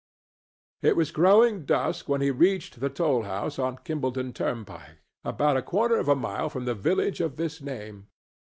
It was growing dusk when he reached the toll house on Kimballton turnpike, about a quarter of a mile from the village of this name.